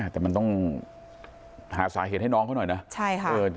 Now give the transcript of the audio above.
แต่มันต้องหาสาเหตุให้น้องเขาหน่อยนะใช่ค่ะ